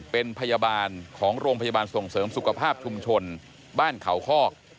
เป็นพยาบาลของโรงพยาบาลส่งเสริมสุขภาพชุมชนบ้านเขาคอก